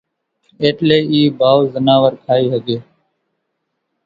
ايٽلي اِي ڀائو زناور کائي ۿڳي